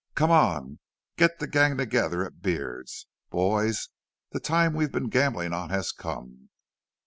"Come on. Get the gang together at Beard's.... Boys, the time we've been gambling on has come.